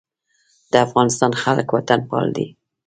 د افغانستان خلک وطنپال دي